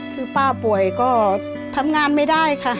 คือป้าป่วยก็ทำงานไม่ได้ค่ะ